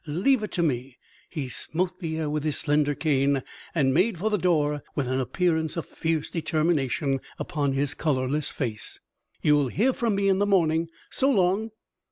Leave it to me." He smote the air with his slender cane, and made for the door with an appearance of fierce determination upon his colorless face. "You'll hear from me in the morning. So long!"